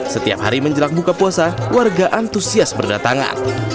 setiap hari menjelang buka puasa warga antusias berdatangan